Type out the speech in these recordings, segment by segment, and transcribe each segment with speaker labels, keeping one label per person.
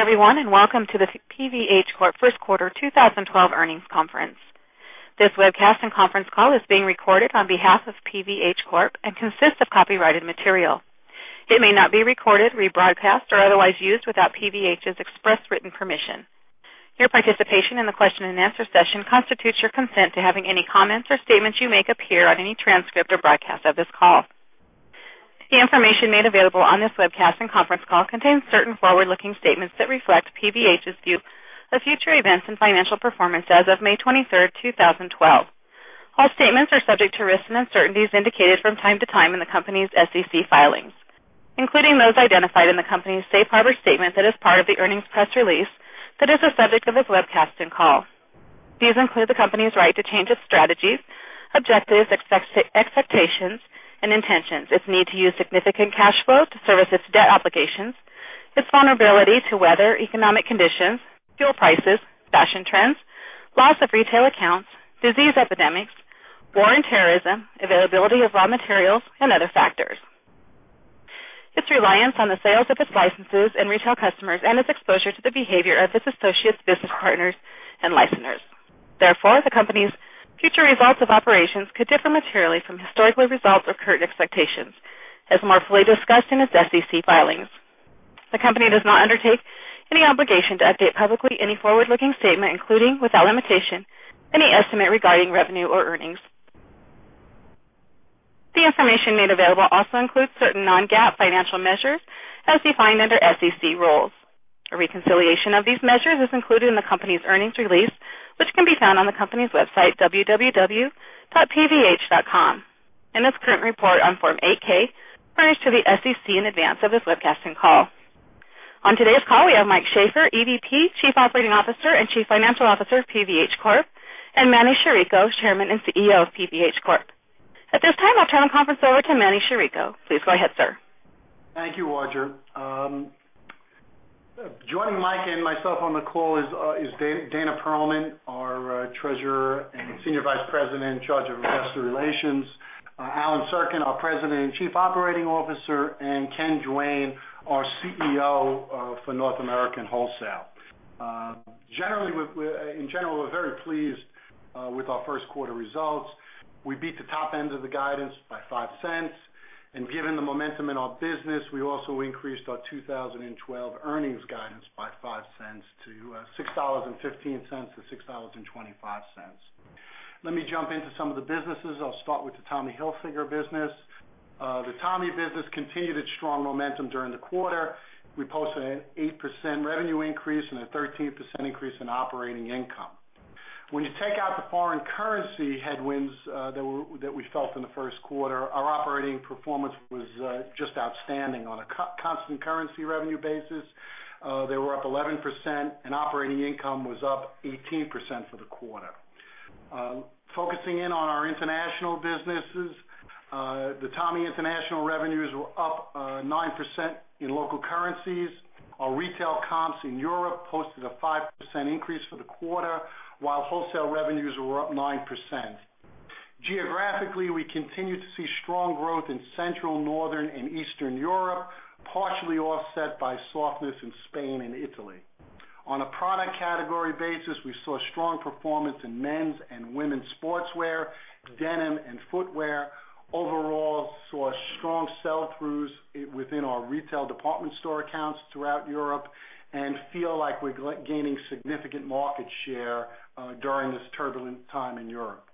Speaker 1: Good day, everyone, and welcome to the PVH Corp First Quarter 2012 Earnings Conference. This webcast and conference call is being recorded on behalf of PVH Corp and consists of copyrighted material. It may not be recorded, rebroadcast, or otherwise used without PVH's express written permission. Your participation in the question and answer session constitutes your consent to having any comments or statements you make appear on any transcript or broadcast of this call. The information made available on this webcast and conference call contains certain forward-looking statements that reflect PVH's view of future events and financial performance as of May 23, 2012. All statements are subject to risks and uncertainties indicated from time to time in the company's SEC filings, including those identified in the company's safe harbor statement that is part of the earnings press release that is the subject of this webcast and call. These include the company's right to change its strategies, objectives, expectations, and intentions. Its need to use significant cash flow to service its debt obligations. Its vulnerability to weather, economic conditions, fuel prices, fashion trends, loss of retail accounts, disease epidemics, war and terrorism, availability of raw materials, and other factors. Its reliance on the sales of its licenses and retail customers, and its exposure to the behavior of its associates, business partners, and licensors. Therefore, the company's future results of operations could differ materially from historical results or current expectations, as more fully discussed in its SEC filings. The company does not undertake any obligation to update publicly any forward-looking statement, including, without limitation, any estimate regarding revenue or earnings. The information made available also includes certain non-GAAP financial measures as defined under SEC rules. A reconciliation of these measures is included in the company's earnings release, which can be found on the company's website, www.pvh.com, and its current report on Form 8-K furnished to the SEC in advance of this webcast and call. On today's call, we have Michael Shaffer, EVP, Chief Operating Officer, and Chief Financial Officer of PVH Corp, and Emanuel Chirico, Chairman and CEO of PVH Corp. At this time, I'll turn the conference over to Emanuel Chirico. Please go ahead, sir.
Speaker 2: Thank you, Roger. Joining Mike and myself on the call is Dana Perlman, our treasurer, and Senior Vice President in charge of investor relations, Allen Sirkin, our President and Chief Operating Officer, and Ken Duane, our CEO for North America Wholesale. In general, we're very pleased with our first quarter results. We beat the top end of the guidance by $0.05, and given the momentum in our business, we also increased our 2012 earnings guidance by $0.05 to $6.15-$6.25. Let me jump into some of the businesses. I'll start with the Tommy Hilfiger business. The Tommy business continued its strong momentum during the quarter. We posted an 8% revenue increase and a 13% increase in operating income. When you take out the foreign currency headwinds that we felt in the first quarter, our operating performance was just outstanding. On a constant currency revenue basis, they were up 11%, and operating income was up 18% for the quarter. Focusing in on our international businesses, the Tommy International revenues were up 9% in local currencies. Our retail comps in Europe posted a 5% increase for the quarter, while wholesale revenues were up 9%. Geographically, we continue to see strong growth in Central, Northern, and Eastern Europe, partially offset by softness in Spain and Italy. On a product category basis, we saw strong performance in men's and women's sportswear, denim, and footwear. Overall, saw strong sell-throughs within our retail department store accounts throughout Europe and feel like we're gaining significant market share during this turbulent time in Europe.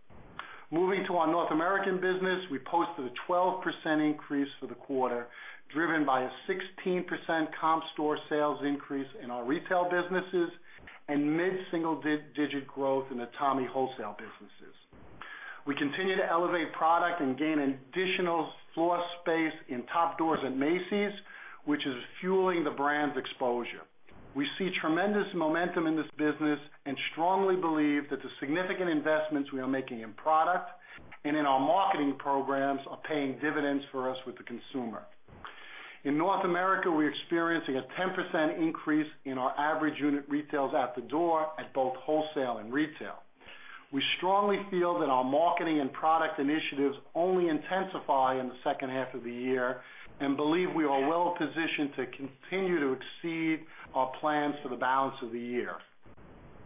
Speaker 2: Moving to our North American business, we posted a 12% increase for the quarter, driven by a 16% comp store sales increase in our retail businesses and mid-single-digit growth in the Tommy wholesale businesses. We continue to elevate product and gain additional floor space in top doors at Macy's, which is fueling the brand's exposure. We see tremendous momentum in this business and strongly believe that the significant investments we are making in product and in our marketing programs are paying dividends for us with the consumer. In North America, we're experiencing a 10% increase in our average unit retails at the door at both wholesale and retail. We strongly feel that our marketing and product initiatives only intensify in the second half of the year and believe we are well positioned to continue to exceed our plans for the balance of the year.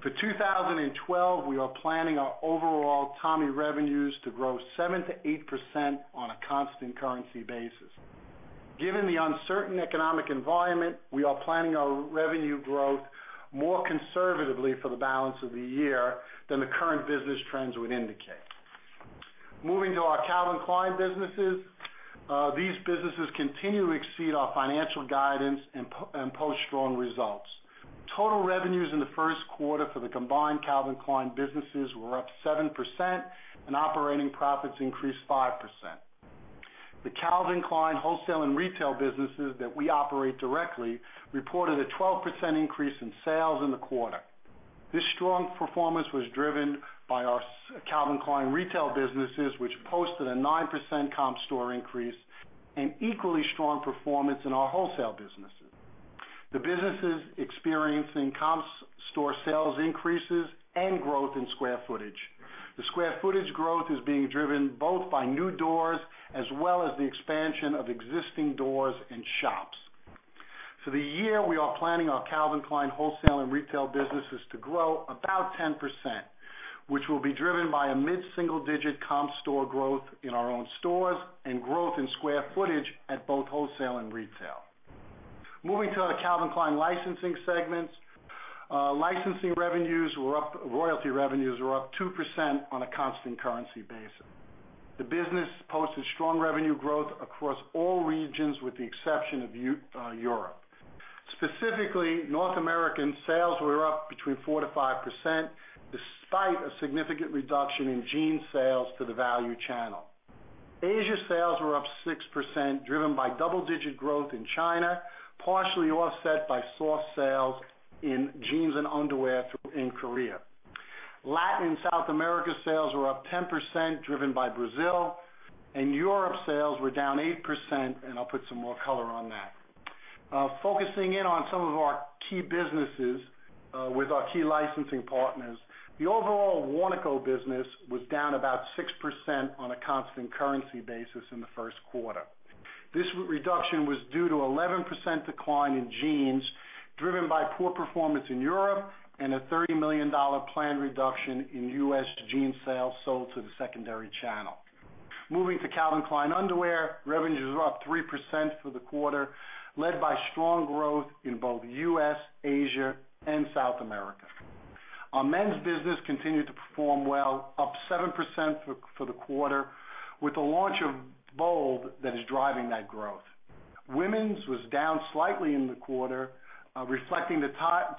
Speaker 2: For 2012, we are planning our overall Tommy revenues to grow 7%-8% on a constant currency basis. Given the uncertain economic environment, we are planning our revenue growth more conservatively for the balance of the year than the current business trends would indicate. Moving to our Calvin Klein businesses. These businesses continue to exceed our financial guidance and post strong results. Total revenues in the first quarter for the combined Calvin Klein businesses were up 7%, and operating profits increased 5%. The Calvin Klein wholesale and retail businesses that we operate directly reported a 12% increase in sales in the quarter. This strong performance was driven by our Calvin Klein retail businesses, which posted a 9% comp store increase and equally strong performance in our wholesale businesses. The businesses experiencing comp store sales increases and growth in square footage. The square footage growth is being driven both by new doors as well as the expansion of existing doors and shops. For the year, we are planning our Calvin Klein wholesale and retail businesses to grow about 10%, which will be driven by a mid-single-digit comp store growth in our own stores and growth in square footage at both wholesale and retail. Moving to our Calvin Klein licensing segments. Royalty revenues were up 2% on a constant currency basis. The business posted strong revenue growth across all regions, with the exception of Europe. Specifically, North American sales were up between 4%-5%, despite a significant reduction in jeans sales to the value channel. Asia sales were up 6%, driven by double-digit growth in China, partially offset by soft sales in jeans and underwear in Korea. Latin and South America sales were up 10%, driven by Brazil. Europe sales were down 8%, and I'll put some more color on that. Focusing in on some of our key businesses with our key licensing partners. The overall Warnaco business was down about 6% on a constant currency basis in the first quarter. This reduction was due to 11% decline in jeans, driven by poor performance in Europe and a $30 million planned reduction in U.S. jean sales sold to the secondary channel. Moving to Calvin Klein Underwear, revenues were up 3% for the quarter, led by strong growth in both U.S., Asia, and South America. Our men's business continued to perform well, up 7% for the quarter, with the launch of Bold that is driving that growth. Women's was down slightly in the quarter, reflecting the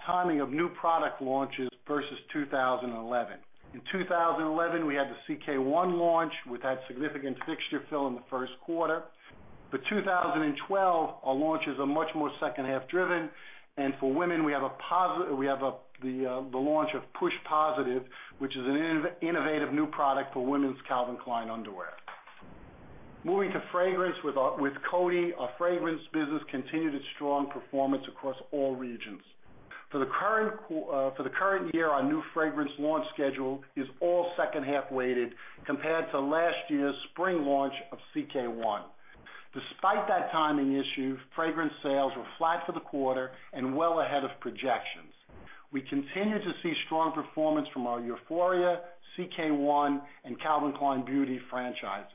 Speaker 2: timing of new product launches versus 2011. In 2011, we had the CK One launch, which had significant fixture fill in the first quarter. For 2012, our launches are much more second-half driven, and for women, we have the launch of Push Positive, which is an innovative new product for women's Calvin Klein Underwear. Moving to fragrance with Coty, our fragrance business continued its strong performance across all regions. For the current year, our new fragrance launch schedule is all second-half weighted compared to last year's spring launch of CK One. Despite that timing issue, fragrance sales were flat for the quarter and well ahead of projections. We continue to see strong performance from our Euphoria, CK One, and Calvin Klein Beauty franchises.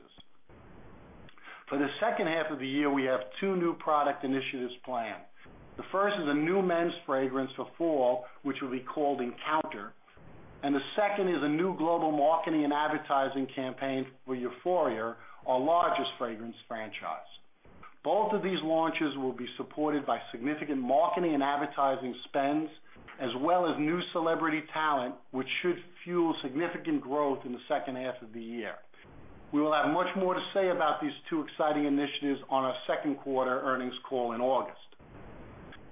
Speaker 2: For the second half of the year, we have two new product initiatives planned. The first is a new men's fragrance for fall, which will be called Encounter, and the second is a new global marketing and advertising campaign for Euphoria, our largest fragrance franchise. Both of these launches will be supported by significant marketing and advertising spends, as well as new celebrity talent, which should fuel significant growth in the second half of the year. We will have much more to say about these two exciting initiatives on our second quarter earnings call in August.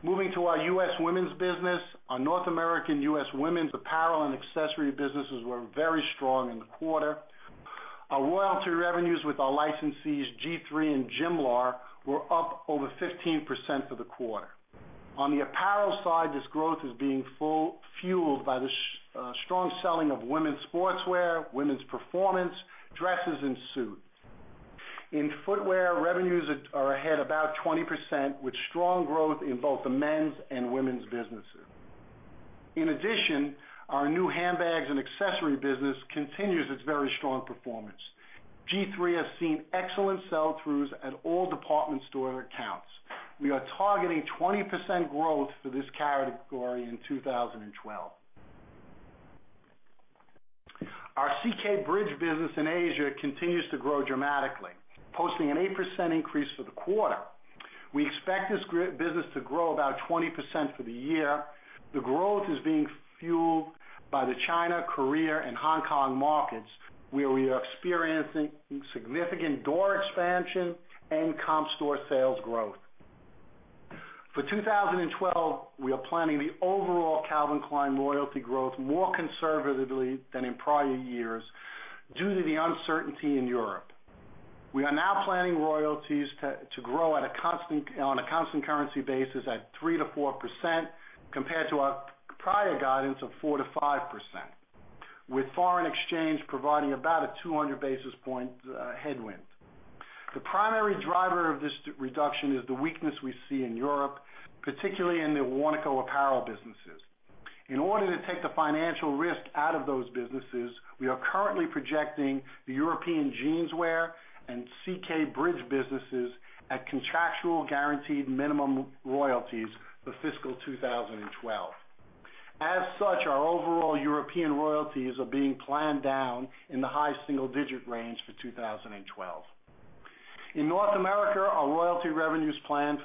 Speaker 2: Moving to our U.S. women's business, our North American U.S. women's apparel and accessory businesses were very strong in the quarter. Our royalty revenues with our licensees G3 and Jimlar were up over 15% for the quarter. On the apparel side, this growth is being fueled by the strong selling of women's sportswear, women's performance, dresses, and suits. In footwear, revenues are ahead about 20%, with strong growth in both the men's and women's businesses. In addition, our new handbags and accessory business continues its very strong performance. G3 has seen excellent sell-throughs at all department store accounts. We are targeting 20% growth for this category in 2012. Our CK Bridge business in Asia continues to grow dramatically, posting an 8% increase for the quarter. We expect this business to grow about 20% for the year. The growth is being fueled by the China, Korea, and Hong Kong markets, where we are experiencing significant door expansion and comp store sales growth. For 2012, we are planning the overall Calvin Klein royalty growth more conservatively than in prior years due to the uncertainty in Europe. We are now planning royalties to grow on a constant currency basis at 3%-4%, compared to our prior guidance of 4%-5%, with foreign exchange providing about a 200 basis point headwind. The primary driver of this reduction is the weakness we see in Europe, particularly in the Warnaco apparel businesses. In order to take the financial risk out of those businesses, we are currently projecting the European Jeanswear and CK Bridge businesses at contractual guaranteed minimum royalties for fiscal 2012. As such, our overall European royalties are being planned down in the high single-digit range for 2012. In North America, our royalty revenues plans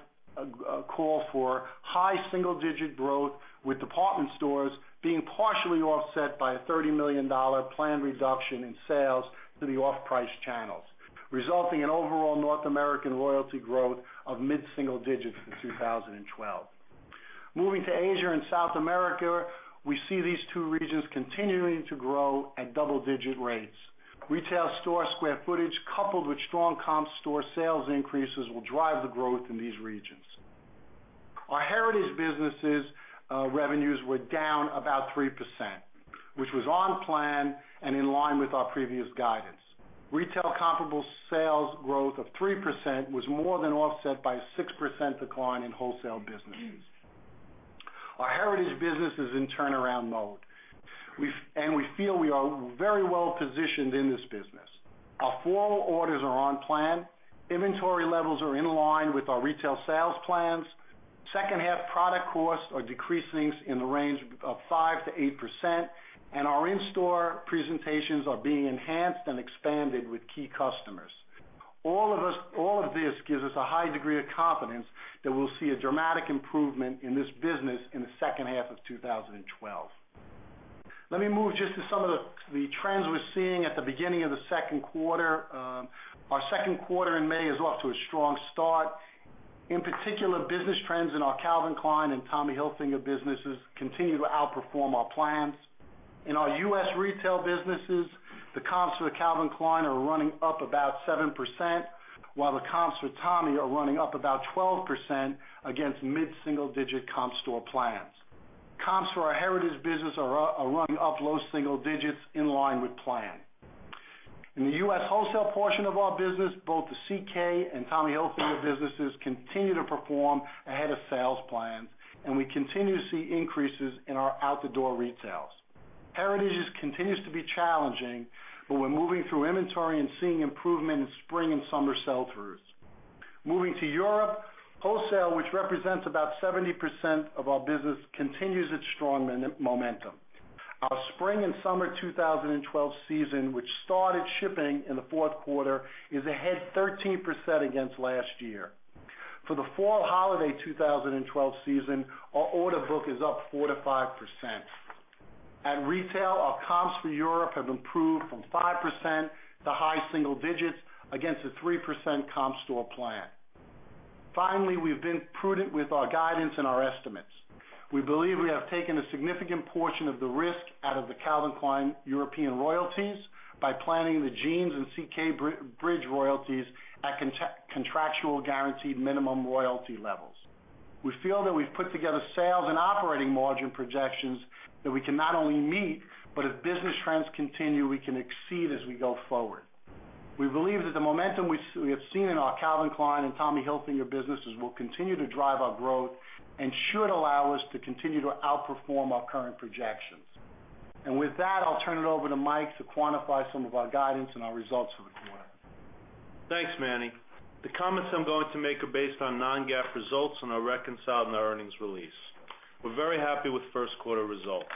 Speaker 2: call for high single-digit growth, with department stores being partially offset by a $30 million planned reduction in sales to the off-price channels, resulting in overall North American royalty growth of mid-single digits for 2012. Moving to Asia and South America, we see these two regions continuing to grow at double-digit rates. Retail store square footage, coupled with strong comp store sales increases, will drive the growth in these regions. Our heritage businesses revenues were down about 3%, which was on plan and in line with our previous guidance. Retail comparable sales growth of 3% was more than offset by 6% decline in wholesale businesses. Our heritage business is in turnaround mode. We feel we are very well-positioned in this business. Our fall orders are on plan. Inventory levels are in line with our retail sales plans. Second half product costs are decreasing in the range of 5%-8%, and our in-store presentations are being enhanced and expanded with key customers. All of this gives us a high degree of confidence that we'll see a dramatic improvement in this business in the second half of 2012. Let me move just to some of the trends we're seeing at the beginning of the second quarter. Our second quarter in May is off to a strong start. In particular, business trends in our Calvin Klein and Tommy Hilfiger businesses continue to outperform our plans. In our U.S. retail businesses, the comps for the Calvin Klein are running up about 7%, while the comps for Tommy are running up about 12% against mid-single-digit comp store plans. Comps for our heritage business are running up low single digits in line with plan. In the U.S. wholesale portion of our business, both the CK and Tommy Hilfiger businesses continue to perform ahead of sales plans, and we continue to see increases in our out-the-door retails. Heritage continues to be challenging, but we're moving through inventory and seeing improvement in spring and summer sell-throughs. Moving to Europe, wholesale, which represents about 70% of our business, continues its strong momentum. Our spring and summer 2012 season, which started shipping in the fourth quarter, is ahead 13% against last year. For the fall holiday 2012 season, our order book is up 4%-5%. At retail, our comps for Europe have improved from 5% to high single digits against a 3% comp store plan. Finally, we've been prudent with our guidance and our estimates. We believe we have taken a significant portion of the risk out of the Calvin Klein European royalties by planning the jeans and CK Bridge royalties at contractual guaranteed minimum royalty levels. We feel that we've put together sales and operating margin projections that we can not only meet, but as business trends continue, we can exceed as we go forward. We believe that the momentum we have seen in our Calvin Klein and Tommy Hilfiger businesses will continue to drive our growth and should allow us to continue to outperform our current projections. With that, I'll turn it over to Mike to quantify some of our guidance and our results for the quarter.
Speaker 3: Thanks, Manny. The comments I'm going to make are based on non-GAAP results and are reconciled in our earnings release. We're very happy with first quarter results.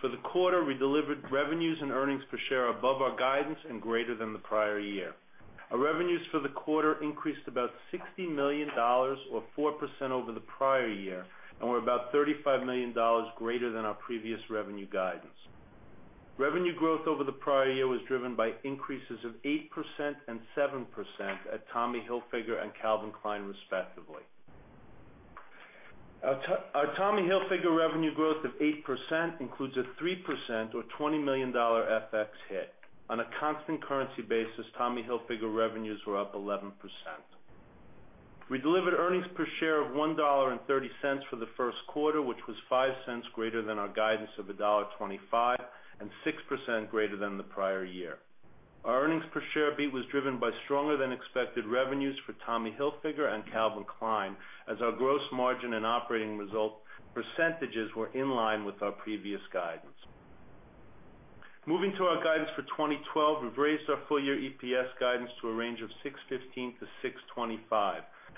Speaker 3: For the quarter, we delivered revenues and earnings per share above our guidance and greater than the prior year. Our revenues for the quarter increased about $60 million or 4% over the prior year, and were about $35 million greater than our previous revenue guidance. Revenue growth over the prior year was driven by increases of 8% and 7% at Tommy Hilfiger and Calvin Klein, respectively. Our Tommy Hilfiger revenue growth of 8% includes a 3% or $20 million FX hit. On a constant currency basis, Tommy Hilfiger revenues were up 11%. We delivered earnings per share of $1.30 for the first quarter, which was $0.05 greater than our guidance of $1.25 and 6% greater than the prior year. Our earnings per share beat was driven by stronger than expected revenues for Tommy Hilfiger and Calvin Klein, as our gross margin and operating result percentages were in line with our previous guidance. Moving to our guidance for 2012, we've raised our full year EPS guidance to a range of $6.15-$6.25,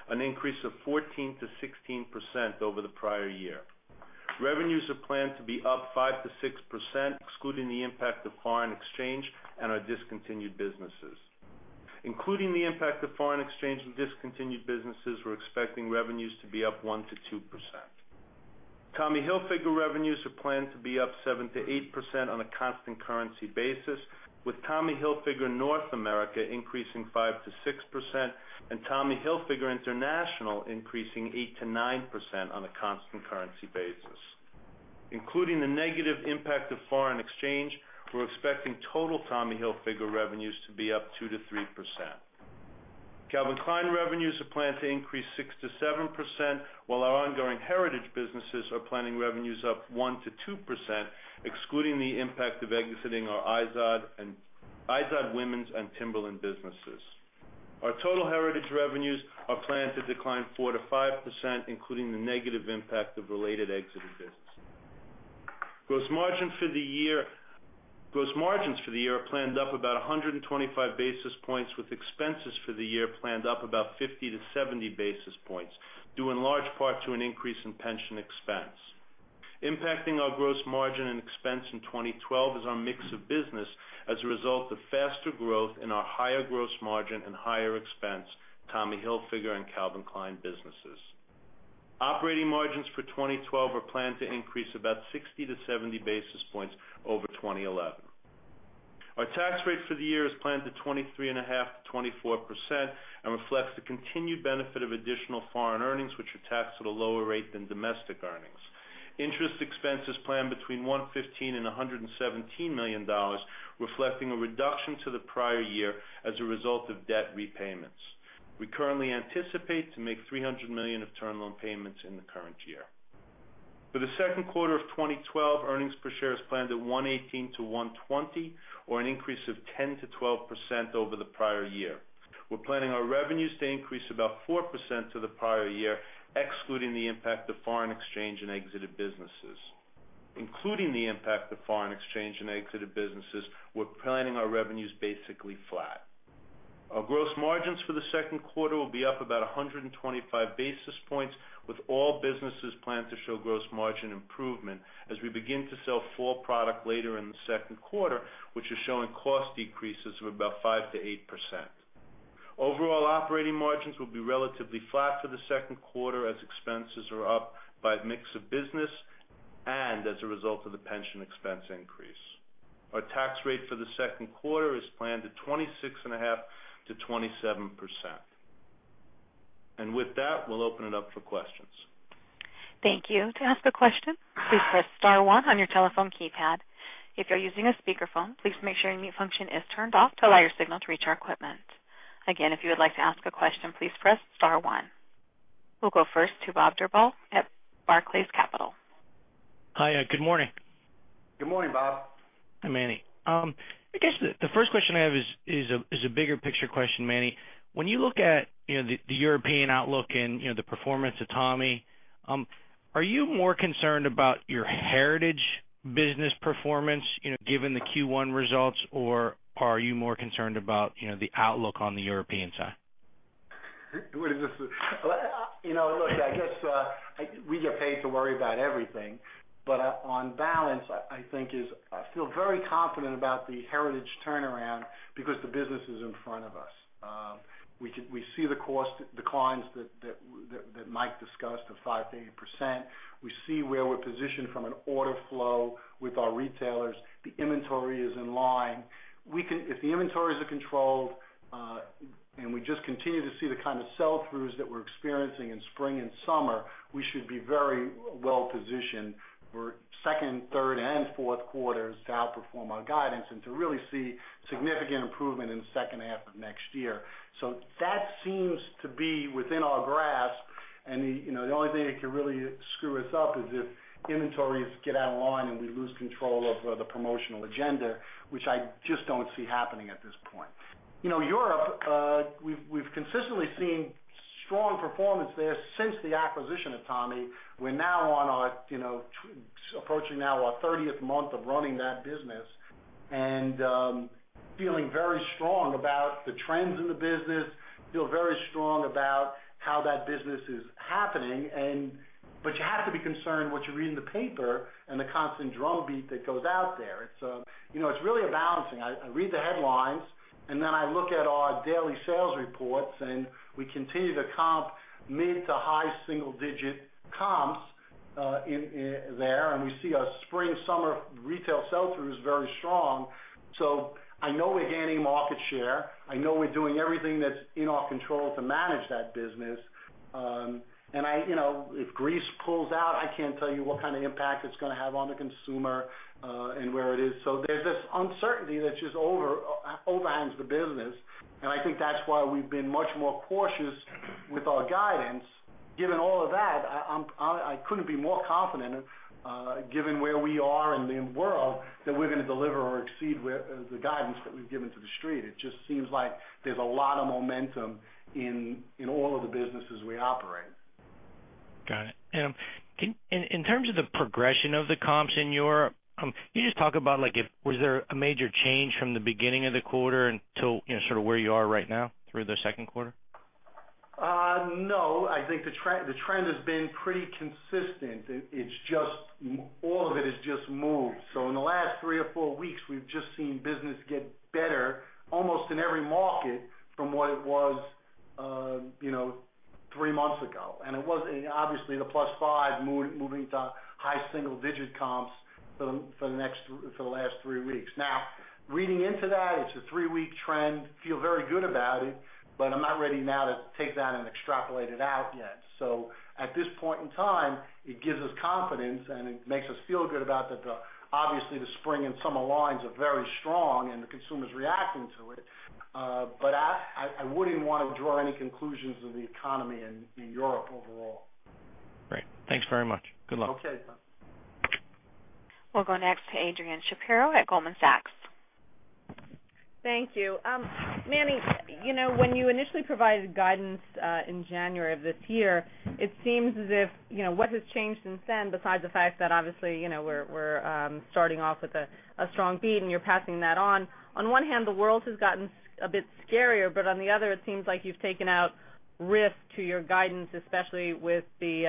Speaker 3: an increase of 14%-16% over the prior year. Revenues are planned to be up 5%-6%, excluding the impact of foreign exchange and our discontinued businesses. Including the impact of foreign exchange and discontinued businesses, we're expecting revenues to be up 1%-2%. Tommy Hilfiger revenues are planned to be up 7%-8% on a constant currency basis, with Tommy Hilfiger North America increasing 5%-6% and Tommy Hilfiger International increasing 8%-9% on a constant currency basis. Including the negative impact of foreign exchange, we're expecting total Tommy Hilfiger revenues to be up 2%-3%. Calvin Klein revenues are planned to increase 6%-7%, while our ongoing heritage businesses are planning revenues up 1%-2%, excluding the impact of exiting our IZOD Women's and Timberland businesses. Our total heritage revenues are planned to decline 4%-5%, including the negative impact of related exited business. Gross margins for the year are planned up about 125 basis points with expenses for the year planned up about 50-70 basis points, due in large part to an increase in pension expense. Impacting our gross margin and expense in 2012 is our mix of business as a result of faster growth in our higher gross margin and higher expense, Tommy Hilfiger and Calvin Klein businesses. Operating margins for 2012 are planned to increase about 60-70 basis points over 2011. Our tax rate for the year is planned at 23.5%-24% and reflects the continued benefit of additional foreign earnings, which are taxed at a lower rate than domestic earnings. Interest expense is planned between $115 million and $117 million, reflecting a reduction to the prior year as a result of debt repayments. We currently anticipate to make $300 million of term loan payments in the current year. For the second quarter of 2012, earnings per share is planned at $1.18-$1.20, or an increase of 10%-12% over the prior year. We're planning our revenues to increase about 4% to the prior year, excluding the impact of foreign exchange and exited businesses. Including the impact of foreign exchange and exited businesses, we're planning our revenues basically flat. Our gross margins for the second quarter will be up about 125 basis points, with all businesses planned to show gross margin improvement as we begin to sell full product later in the second quarter, which is showing cost decreases of about 5%-8%. Overall operating margins will be relatively flat for the second quarter as expenses are up by mix of business and as a result of the pension expense increase. Our tax rate for the second quarter is planned at 26.5%-27%. With that, we'll open it up for questions.
Speaker 1: Thank you. To ask a question, please press *1 on your telephone keypad. If you're using a speakerphone, please make sure your mute function is turned off to allow your signal to reach our equipment. Again, if you would like to ask a question, please press *1. We'll go first to Robert Drbul at Barclays Capital.
Speaker 4: Hi. Good morning.
Speaker 3: Good morning, Bob.
Speaker 4: Hi, Manny. I guess the first question I have is a bigger picture question, Manny. When you look at the European outlook and the performance of Tommy, are you more concerned about your heritage business performance, given the Q1 results? Are you more concerned about the outlook on the European side?
Speaker 2: Look, I guess, we get paid to worry about everything. On balance, I feel very confident about the heritage turnaround because the business is in front of us. We see the cost declines that Mike discussed of 5%-8%. We see where we're positioned from an order flow with our retailers. The inventory is in line. If the inventories are controlled, and we just continue to see the kind of sell-throughs that we're experiencing in spring and summer, we should be very well-positioned for second, third, and fourth quarters to outperform our guidance and to really see significant improvement in the second half of next year. That seems to be within our grasp, and the only thing that could really screw us up is if inventories get out of line and we lose control of the promotional agenda, which I just don't see happening at this point.
Speaker 3: Europe, we've consistently seen strong performance there since the acquisition of Tommy. We're now approaching our 30th month of running that business and feeling very strong about the trends in the business. Feel very strong about how that business is happening. You have to be concerned what you read in the paper and the constant drumbeat that goes out there. It's really a balancing. I read the headlines, then I look at our daily sales reports, and we continue to comp mid to high single-digit comps there, and we see our spring/summer retail sell-through is very strong. I know we're gaining market share. I know we're doing everything that's in our control to manage that business. If Greece pulls out, I can't tell you what kind of impact it's going to have on the consumer, and where it is.
Speaker 2: There's this uncertainty that just overhangs the business, and I think that's why we've been much more cautious with our guidance. Given all of that, I couldn't be more confident, given where we are in the world, that we're going to deliver or exceed the guidance that we've given to The Street. It just seems like there's a lot of momentum in all of the businesses we operate.
Speaker 4: Got it. In terms of the progression of the comps in Europe, can you just talk about, was there a major change from the beginning of the quarter until where you are right now through the second quarter?
Speaker 3: No, I think the trend has been pretty consistent. All of it has just moved. In the last three or four weeks, we've just seen business get better almost in every market from what it was three months ago. Obviously, the +5 moving to high single-digit comps for the last three weeks. Reading into that, it's a three-week trend. Feel very good about it, I'm not ready now to take that and extrapolate it out yet. At this point in time, it gives us confidence, and it makes us feel good about that obviously, the spring and summer lines are very strong, and the consumer's reacting to it. I wouldn't want to draw any conclusions of the economy in Europe overall.
Speaker 4: Great. Thanks very much. Good luck.
Speaker 2: Okay.
Speaker 1: We'll go next to Adrienne Shapiro at Goldman Sachs.
Speaker 5: Thank you. Manny, when you initially provided guidance in January of this year, it seems as if what has changed since then, besides the fact that obviously, we're starting off with a strong beat and you're passing that on. On one hand, the world has gotten a bit scarier, but on the other, it seems like you've taken out risk to your guidance, especially with the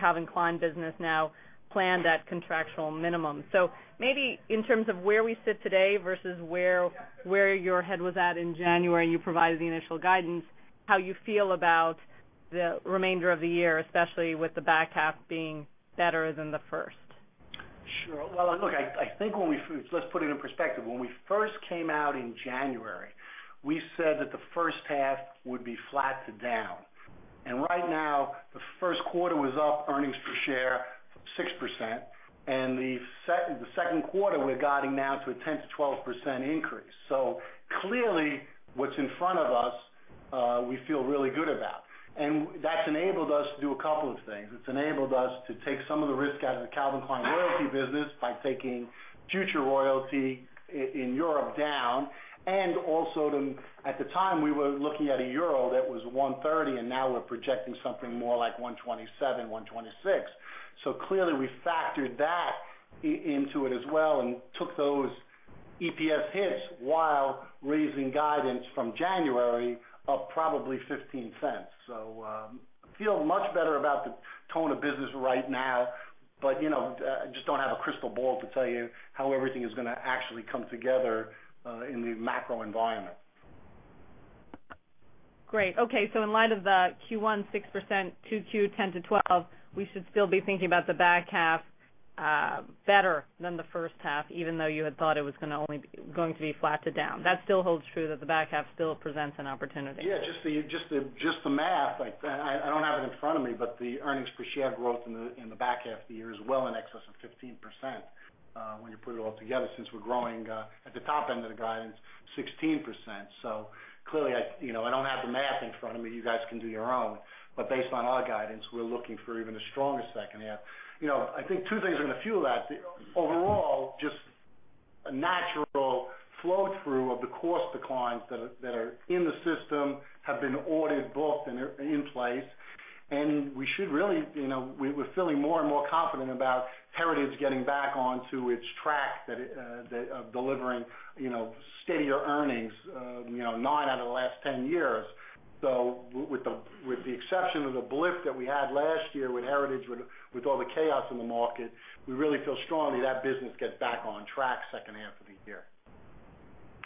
Speaker 5: Calvin Klein business now planned at contractual minimum. Maybe in terms of where we sit today versus where your head was at in January, you provided the initial guidance, how you feel about the remainder of the year, especially with the back half being better than the first?
Speaker 2: Sure. Well, look, let's put it in perspective. When we first came out in January, we said that the first half would be flat to down. Right now, the first quarter was up earnings per share 6%, and the second quarter, we're guiding now to a 10%-12% increase. Clearly, what's in front of us, we feel really good about. That's enabled us to do a couple of things. It's enabled us to take some of the risk out of the Calvin Klein royalty business by taking future royalty in Europe down, and also at the time, we were looking at a euro that was 130, and now we're projecting something more like 127, 126. Clearly, we factored that into it as well and took those EPS hits while raising guidance from January of probably $0.15. I feel much better about the tone of business right now, I just don't have a crystal ball to tell you how everything is going to actually come together in the macro environment.
Speaker 5: Great. Okay. In light of the Q1 6%, 2Q 10%-12%, we should still be thinking about the back half better than the first half, even though you had thought it was going to only be flat to down. That still holds true, that the back half still presents an opportunity.
Speaker 2: Yeah, just the math. I don't have it in front of me, the earnings per share growth in the back half of the year is well in excess of 15%, when you put it all together, since we're growing at the top end of the guidance, 16%. Clearly, I don't have the math in front of me. You guys can do your own. Based on our guidance, we're looking for even a stronger second half. I think two things are going to fuel that. Overall, just a natural flow-through of the cost declines that are in the system, have been ordered, booked, and are in place. We're feeling more and more confident about Heritage getting back onto its track of delivering steadier earnings nine out of the last 10 years. With the exception of the blip that we had last year with Heritage, with all the chaos in the market, we really feel strongly that business gets back on track second half of the year.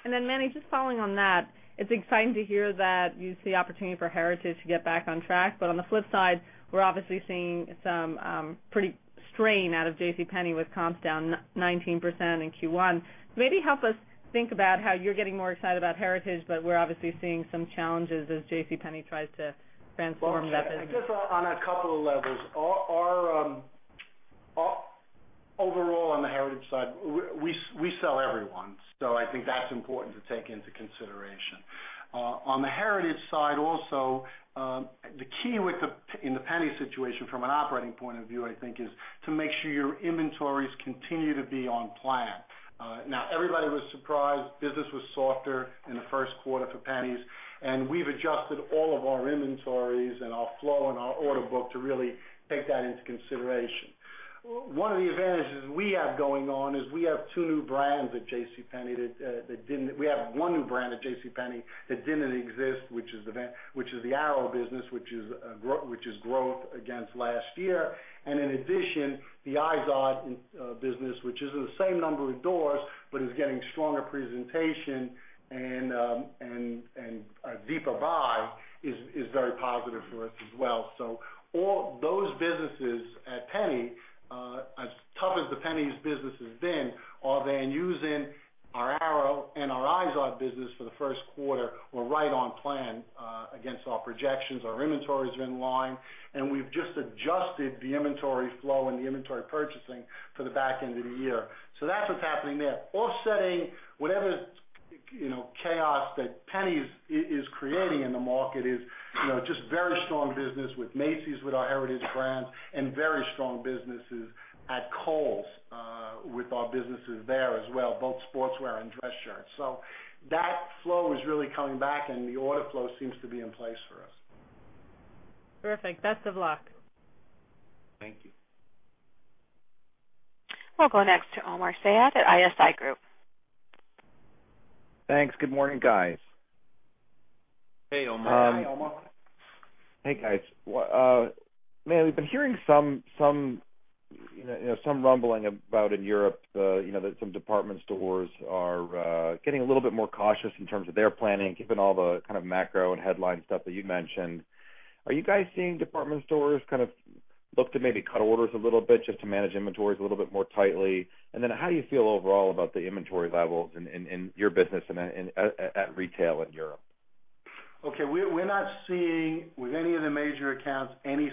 Speaker 5: Manny, just following on that, it's exciting to hear that you see opportunity for Heritage to get back on track. On the flip side, we're obviously seeing some pretty strain out of JCPenney with comps down 19% in Q1. Maybe help us think about how you're getting more excited about Heritage, we're obviously seeing some challenges as JCPenney tries to transform that business.
Speaker 2: Well, I guess on a couple of levels. Overall, on the Heritage side, we sell everyone. I think that's important to take into consideration. On the Heritage side also, the key in the JCPenney situation from an operating point of view, I think, is to make sure your inventories continue to be on plan. Everybody was surprised. Business was softer in the first quarter for JCPenney's, and we've adjusted all of our inventories and our flow and our order book to really take that into consideration. One of the advantages we have going on is we have one new brand at JCPenney that didn't exist, which is the Arrow business, which is growth against last year. In addition, the IZOD business, which is in the same number of doors, but is getting stronger presentation and a deeper buy, is very positive for us as well. Those businesses at JCPenney, as tough as the JCPenney's business has been, are then using our Arrow and our IZOD business for the first quarter. We're right on plan against our projections. Our inventories are in line, and we've just adjusted the inventory flow and the inventory purchasing for the back end of the year. That's what's happening there. Offsetting whatever chaos that JCPenney's is creating in the market is just very strong business with Macy's, with our Heritage brands, and very strong businesses at Kohl's with our businesses there as well, both sportswear and dress shirts. That flow is really coming back, and the order flow seems to be in place for us.
Speaker 5: Perfect. Best of luck.
Speaker 2: Thank you.
Speaker 1: We'll go next to Omar Saad at ISI Group.
Speaker 6: Thanks. Good morning, guys.
Speaker 2: Hey, Omar. Hi, Omar.
Speaker 6: Hey, guys. Manny, we've been hearing some rumbling about in Europe that some department stores are getting a little bit more cautious in terms of their planning, given all the macro and headline stuff that you mentioned. Are you guys seeing department stores look to maybe cut orders a little bit just to manage inventories a little bit more tightly? How do you feel overall about the inventory levels in your business at retail in Europe?
Speaker 2: Okay. We're not seeing with any of the major accounts any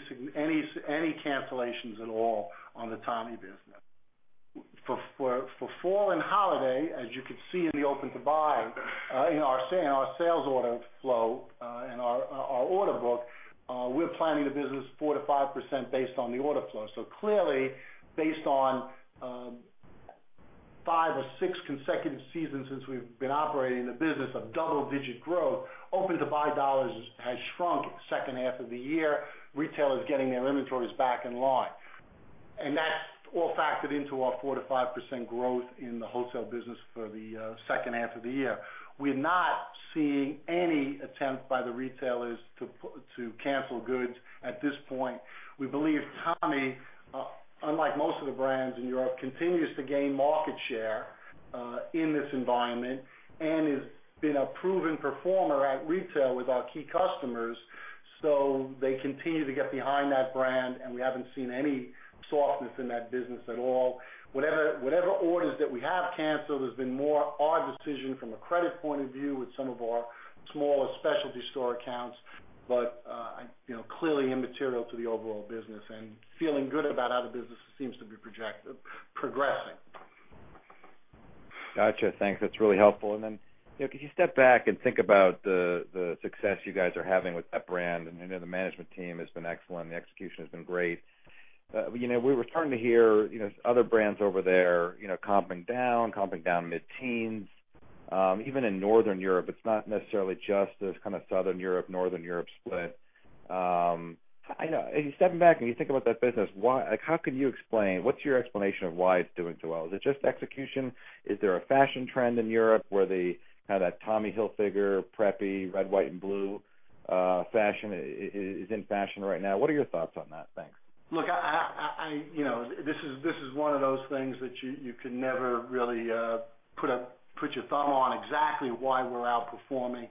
Speaker 2: cancellations at all on the Tommy business. For fall and holiday, as you could see in the open to buy in our sales order flow and our order book, we're planning the business 4%-5% based on the order flow. Clearly, based on five or six consecutive seasons since we've been operating the business of double-digit growth, open to buy dollars has shrunk second half of the year. Retail is getting their inventories back in line. That's all factored into our 4%-5% growth in the wholesale business for the second half of the year. We're not seeing any attempt by the retailers to cancel goods at this point. We believe Tommy, unlike most of the brands in Europe, continues to gain market share in this environment and has been a proven performer at retail with our key customers. They continue to get behind that brand, and we haven't seen any softness in that business at all. Whatever orders that we have canceled, has been more our decision from a credit point of view with some of our smaller specialty store accounts. Clearly immaterial to the overall business and feeling good about how the business seems to be progressing.
Speaker 6: Got you. Thanks. That's really helpful. If you step back and think about the success you guys are having with that brand, and I know the management team has been excellent, the execution has been great. We were starting to hear, other brands over there comping down mid-teens. Even in Northern Europe, it's not necessarily just this kind of Southern Europe, Northern Europe split. Stepping back and you think about that business, what's your explanation of why it's doing so well? Is it just execution? Is there a fashion trend in Europe where they have that Tommy Hilfiger preppy red, white, and blue fashion is in fashion right now? What are your thoughts on that? Thanks.
Speaker 2: Look, this is one of those things that you could never really put your thumb on exactly why we're outperforming.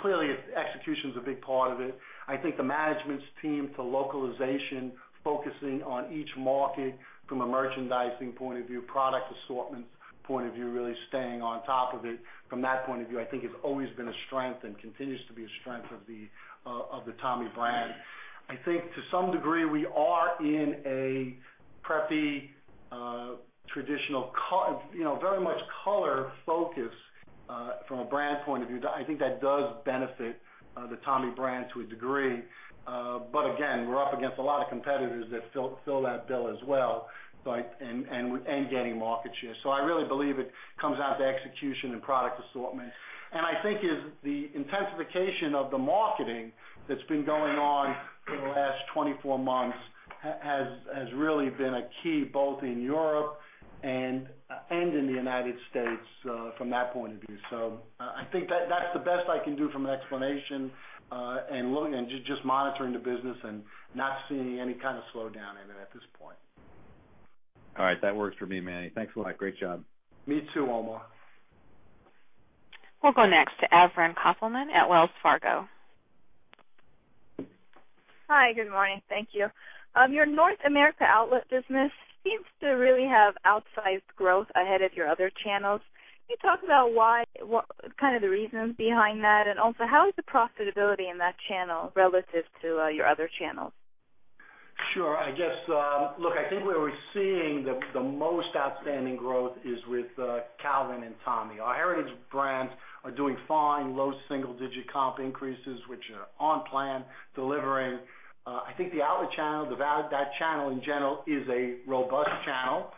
Speaker 2: Clearly, execution's a big part of it. I think the management's team to localization, focusing on each market from a merchandising point of view, product assortment point of view, really staying on top of it. From that point of view, I think it's always been a strength and continues to be a strength of the Tommy brand. I think to some degree, we are in a preppy, traditional, very much color focused, from a brand point of view. I think that does benefit the Tommy brand to a degree. Again, we're up against a lot of competitors that fill that bill as well, and gaining market share. I really believe it comes down to execution and product assortment. I think it's the intensification of the marketing that's been going on for the last 24 months has really been a key both in Europe and in the U.S. from that point of view. I think that's the best I can do from an explanation and just monitoring the business and not seeing any kind of slowdown in it at this point.
Speaker 6: All right. That works for me, Manny. Thanks a lot. Great job.
Speaker 2: Me too, Omar.
Speaker 1: We'll go next to Evren Kopelman at Wells Fargo.
Speaker 7: Hi, good morning. Thank you. Your North America outlet business seems to really have outsized growth ahead of your other channels. Can you talk about the reasons behind that? Also, how is the profitability in that channel relative to your other channels?
Speaker 2: Sure. Look, I think where we're seeing the most outstanding growth is with Calvin and Tommy. Our heritage brands are doing fine, low single digit comp increases, which are on plan delivering. I think the outlet channel, that channel in general, is a robust channel.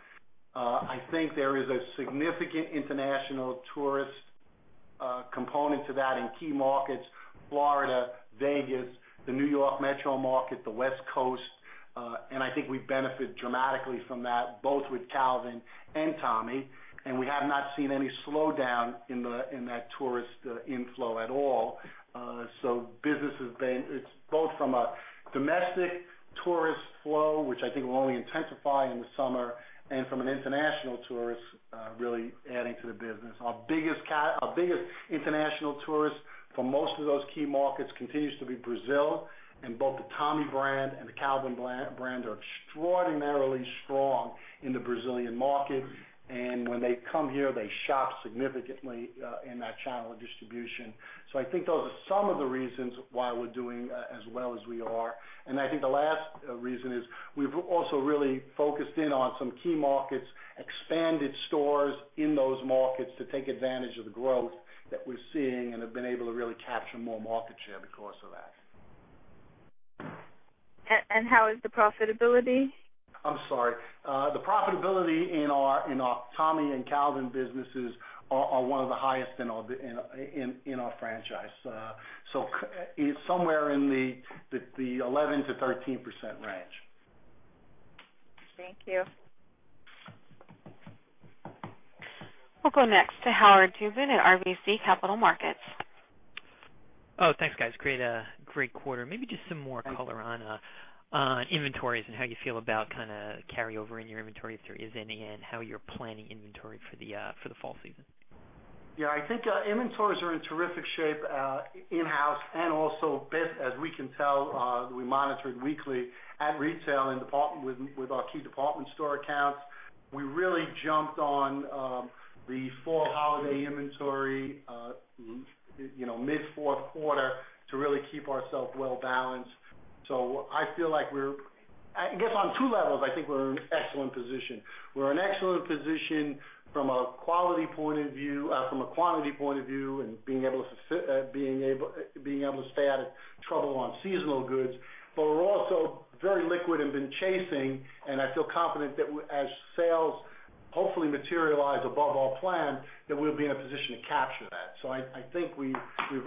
Speaker 2: I think there is a significant international tourist component to that in key markets, Florida, Vegas, the New York metro market, the West Coast. I think we benefit dramatically from that, both with Calvin and Tommy. We have not seen any slowdown in that tourist inflow at all. Business is both from a domestic tourist flow, which I think will only intensify in the summer, and from an international tourist, really adding to the business. Our biggest international tourist for most of those key markets continues to be Brazil, both the Tommy brand and the Calvin brand are extraordinarily strong in the Brazilian market. When they come here, they shop significantly in that channel of distribution. I think those are some of the reasons why we're doing as well as we are. I think the last reason is we've also really focused in on some key markets, expanded stores in those markets to take advantage of the growth that we're seeing and have been able to really capture more market share because of that.
Speaker 7: How is the profitability?
Speaker 2: I'm sorry. The profitability in our Tommy and Calvin businesses are one of the highest in our franchise. It's somewhere in the 11%-13% range.
Speaker 7: Thank you.
Speaker 1: We'll go next to Howard Tubin at RBC Capital Markets.
Speaker 8: Thanks, guys. Great quarter. Maybe just some more color on inventories and how you feel about carry over in your inventory if there is any, and how you're planning inventory for the fall season.
Speaker 2: Yeah, I think inventories are in terrific shape, in-house and also as we can tell, we monitor it weekly at retail with our key department store accounts. We really jumped on the fall holiday inventory mid fourth quarter to really keep ourself well balanced. I feel like, I guess on two levels, I think we're in an excellent position. We're in excellent position from a quality point of view, from a quantity point of view, and being able to stay out of trouble on seasonal goods. We're also very liquid and been chasing, and I feel confident that as sales hopefully materialize above our plan, that we'll be in a position to capture that. I think we've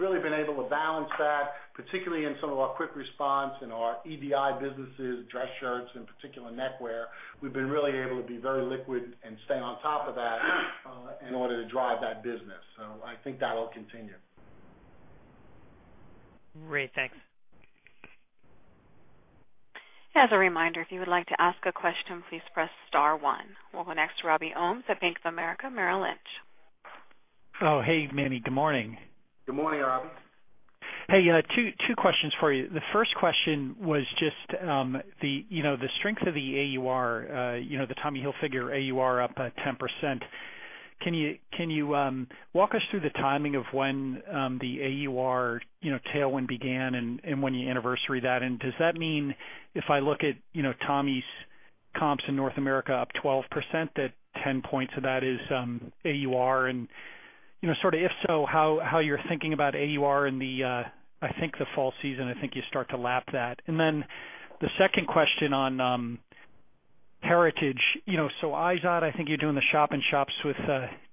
Speaker 2: really been able to balance that, particularly in some of our quick response in our EDI businesses, dress shirts, in particular neckwear. We've been really able to be very liquid and stay on top of that in order to drive that business. I think that'll continue.
Speaker 8: Great. Thanks.
Speaker 1: As a reminder, if you would like to ask a question, please press star one. We'll go next to Robert Ohmes at Bank of America Merrill Lynch.
Speaker 9: Oh, hey, Manny. Good morning.
Speaker 2: Good morning, Robbie.
Speaker 9: Hey, two questions for you. The first question was just the strength of the AUR, the Tommy Hilfiger AUR up 10%. Can you walk us through the timing of when the AUR tailwind began and when you anniversary that? Does that mean if I look at Tommy's comps in North America up 12%, that 10 points of that is AUR? If so, how you're thinking about AUR in the fall season, I think you start to lap that. The second question on Heritage. IZOD, I think you're doing the shop in shops with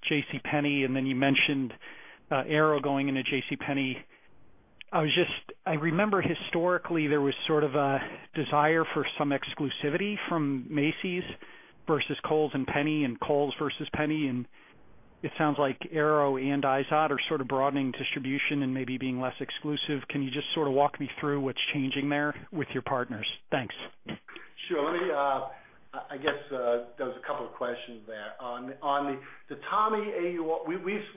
Speaker 9: JCPenney, and then you mentioned Arrow going into JCPenney. I remember historically, there was sort of a desire for some exclusivity from Macy's versus Kohl's and Penney and Kohl's versus Penney, and it sounds like Arrow and IZOD are sort of broadening distribution and maybe being less exclusive. Can you just sort of walk me through what's changing there with your partners? Thanks.
Speaker 2: Sure. I guess there was a couple of questions there. On the Tommy AUR,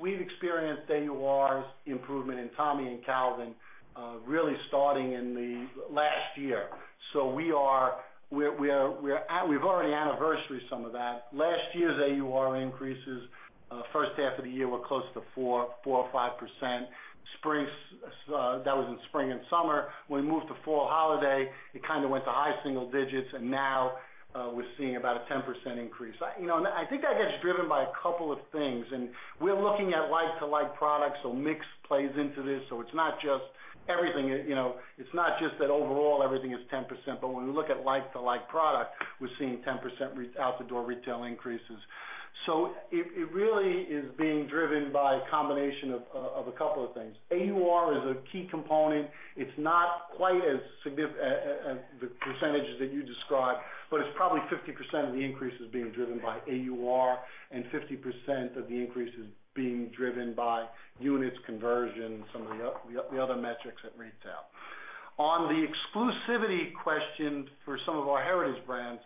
Speaker 2: we've experienced AUR's improvement in Tommy and Calvin really starting in the last year. We've already anniversaried some of that. Last year's AUR increases, first half of the year were close to 4% or 5%. That was in spring and summer. When we moved to fall holiday, it kind of went to high single digits, and now we're seeing about a 10% increase. I think that gets driven by a couple of things, and we're looking at like-to-like products. Mix plays into this. It's not just that overall everything is 10%, but when we look at like-to-like product, we're seeing 10% out the door retail increases. It really is being driven by a combination of a couple of things. AUR is a key component. It's not quite as significant as the percentages that you described, but it's probably 50% of the increase is being driven by AUR and 50% of the increase is being driven by units conversion, some of the other metrics at retail. On the exclusivity question for some of our Heritage Brands.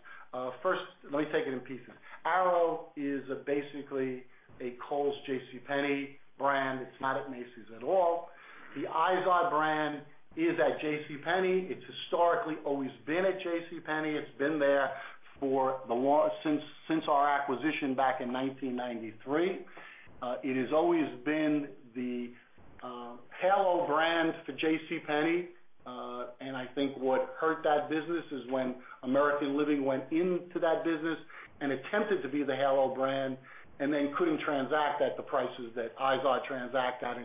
Speaker 2: First, let me take it in pieces. Arrow is basically a Kohl's JCPenney brand. It's not at Macy's at all. The IZOD brand is at JCPenney. It's historically always been at JCPenney. It's been there since our acquisition back in 1993. It has always been the halo brand for JCPenney. I think what hurt that business is when American Living went into that business and attempted to be the halo brand and then couldn't transact at the prices that IZOD transact at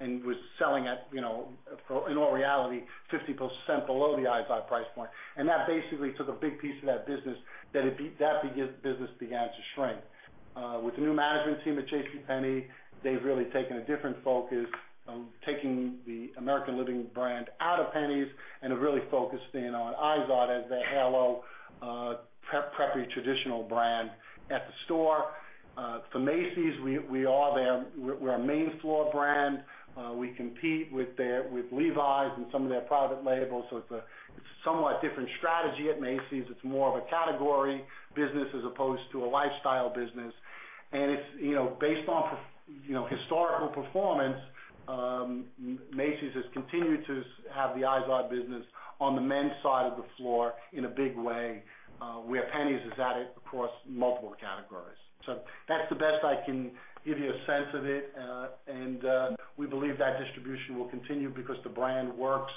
Speaker 2: and was selling at, in all reality, 50% below the IZOD price point. That basically took a big piece of that business. That business began to shrink. With the new management team at JCPenney, they've really taken a different focus of taking the American Living brand out of Penney's and have really focused in on IZOD as the halo preppy traditional brand at the store. For Macy's, we're a main floor brand. We compete with Levi's and some of their private labels. It's a somewhat different strategy at Macy's. It's more of a category business as opposed to a lifestyle business. Based on historical performance, Macy's has continued to have the IZOD business on the men's side of the floor in a big way, where Penney's is at it across multiple categories. That's the best I can give you a sense of it. We believe that distribution will continue because the brand works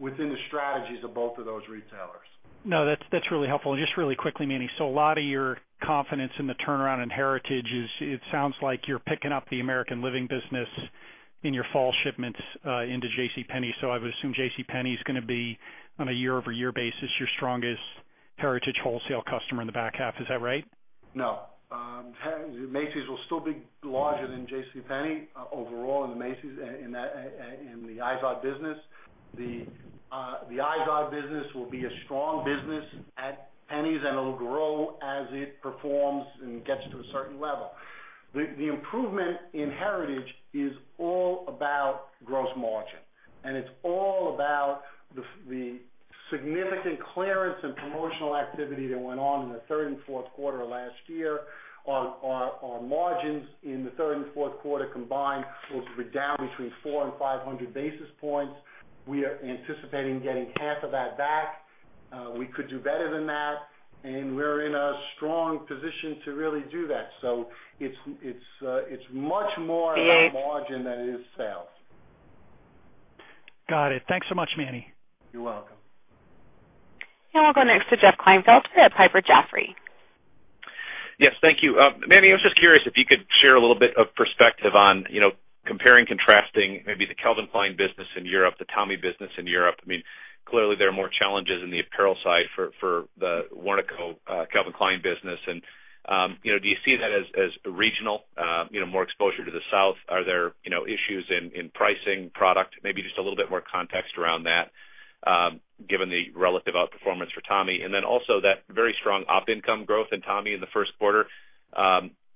Speaker 2: within the strategies of both of those retailers.
Speaker 9: No, that's really helpful. Just really quickly, Manny, a lot of your confidence in the turnaround in Heritage is, it sounds like you're picking up the American Living business in your fall shipments into JCPenney. I would assume JCPenney is going to be, on a year-over-year basis, your strongest Heritage wholesale customer in the back half. Is that right?
Speaker 2: No. Macy's will still be larger than JCPenney overall in the IZOD business. The IZOD business will be a strong business at Penney's, and it'll grow as it performs and gets to a certain level. The improvement in Heritage is all about gross margin, and it's all about the significant clearance and promotional activity that went on in the third and fourth quarter of last year. Our margins in the third and fourth quarter combined will be down between four and 500 basis points. We are anticipating getting half of that back. We could do better than that, and we're in a strong position to really do that. It's much more about margin than it is sales.
Speaker 9: Got it. Thanks so much, Manny.
Speaker 2: You're welcome.
Speaker 1: I'll go next to Jeff Klinefelter at Piper Jaffray.
Speaker 10: Yes, thank you. Manny, I was just curious if you could share a little bit of perspective on comparing, contrasting maybe the Calvin Klein business in Europe, the Tommy business in Europe. Clearly, there are more challenges in the apparel side for the Warnaco Calvin Klein business. Do you see that as regional, more exposure to the South? Are there issues in pricing, product? Maybe just a little bit more context around that given the relative outperformance for Tommy, and then also that very strong op-income growth in Tommy in the first quarter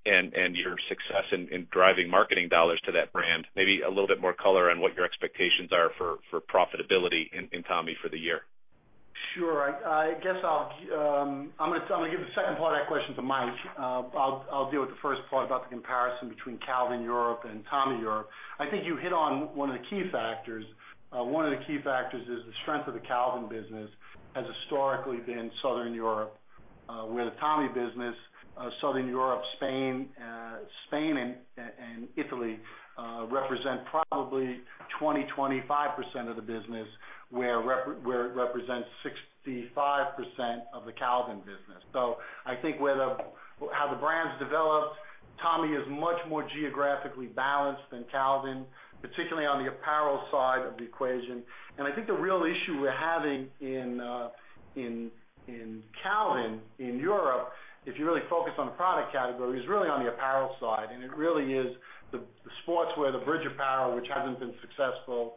Speaker 10: and your success in driving marketing dollars to that brand. Maybe a little bit more color on what your expectations are for profitability in Tommy for the year.
Speaker 2: Sure. I guess I'm going to give the second part of that question to Mike. I'll deal with the first part about the comparison between Calvin Europe and Tommy Europe. I think you hit on one of the key factors. One of the key factors is the strength of the Calvin business has historically been Southern Europe, where the Tommy business, Southern Europe, Spain, and Italy, represent probably 20%-25% of the business, where it represents 65% of the Calvin business. I think how the brands developed, Tommy is much more geographically balanced than Calvin, particularly on the apparel side of the equation. I think the real issue we're having in Calvin in Europe, if you really focus on the product category, is really on the apparel side, and it really is the sportswear, the bridge apparel, which hasn't been successful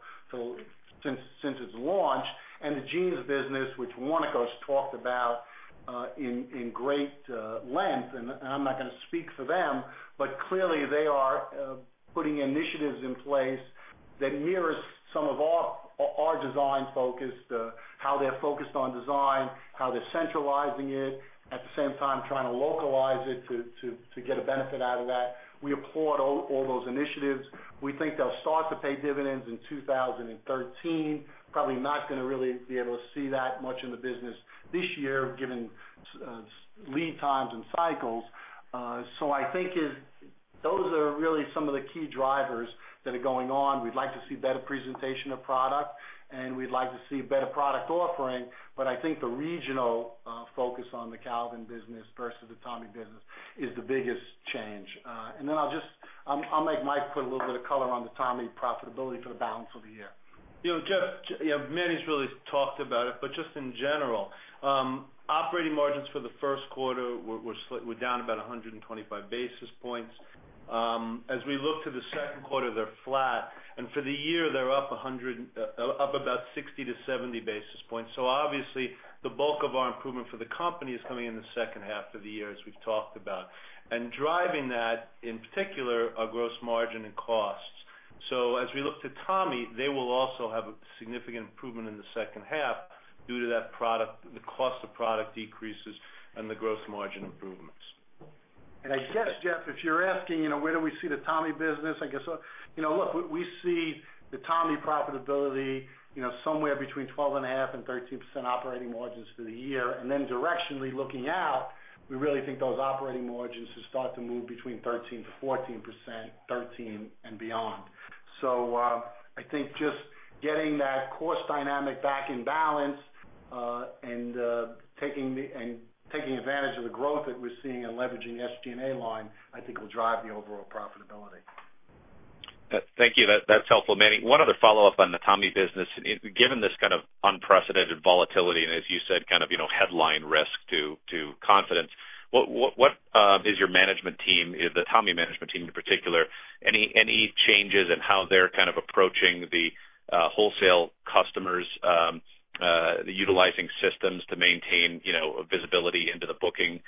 Speaker 2: since its launch, and the jeans business, which Warnaco's talked about in great length, and I'm not going to speak for them, but clearly they are putting initiatives in place that mirrors some of our design focus, how they're focused on design, how they're centralizing it, at the same time trying to localize it to get a benefit out of that. We applaud all those initiatives. We think they'll start to pay dividends in 2013. Probably not going to really be able to see that much in the business this year, given lead times and cycles. I think those are really some of the key drivers that are going on. We'd like to see better presentation of product, and we'd like to see better product offering. I think the regional focus on the Calvin business versus the Tommy business is the biggest change. Then I'll make Mike put a little bit of color on the Tommy profitability for the balance of the year.
Speaker 3: Jeff, Manny's really talked about it, just in general, operating margins for the first quarter were down about 125 basis points. As we look to the second quarter, they're flat, and for the year, they're up about 60 to 70 basis points. Obviously the bulk of our improvement for the company is coming in the second half of the year, as we've talked about. Driving that, in particular, are gross margin and costs. As we look to Tommy, they will also have a significant improvement in the second half due to the cost of product decreases and the gross margin improvements.
Speaker 2: I guess, Jeff, if you're asking, where do we see the Tommy business? Look, we see the Tommy profitability somewhere between 12.5%-13% operating margins for the year. Then directionally looking out, we really think those operating margins will start to move between 13%-14%, 13% and beyond. I think just getting that cost dynamic back in balance, and taking advantage of the growth that we're seeing and leveraging the SG&A line, I think will drive the overall profitability.
Speaker 10: Thank you. That's helpful, Manny. One other follow-up on the Tommy business. Given this kind of unprecedented volatility, and as you said, headline risk to confidence, what is your management team, the Tommy management team in particular, any changes in how they're approaching the wholesale customers, utilizing systems to maintain visibility into the booking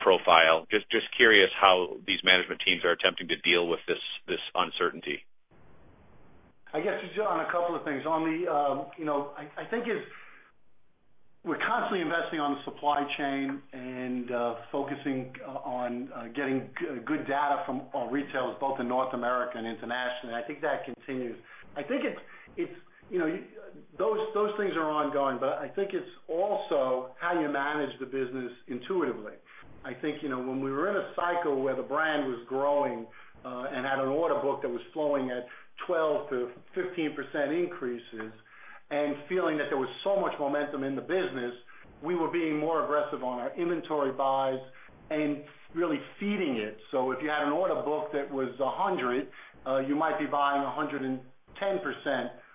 Speaker 10: profile? Just curious how these management teams are attempting to deal with this uncertainty.
Speaker 2: I guess, just on a couple of things. I think we're constantly investing on the supply chain and focusing on getting good data from our retailers, both in North America and internationally. I think that continues. Those things are ongoing, but I think it's also how you manage the business intuitively. I think when we were in a cycle where the brand was growing and had an order book that was flowing at 12%-15% increases, and feeling that there was so much momentum in the business, we were being more aggressive on our inventory buys and really feeding it. If you had an order book that was 100, you might be buying 110%